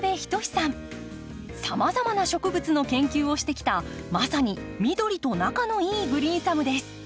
さまざまな植物の研究をしてきたまさに緑と仲のいいグリーンサムです。